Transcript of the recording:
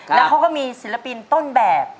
แล้วเขาก็มีศิลปินต้นแบบ